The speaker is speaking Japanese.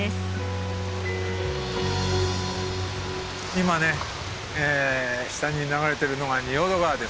今ね下に流れてるのが仁淀川ですね。